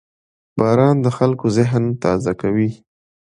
• باران د خلکو ذهن تازه کوي.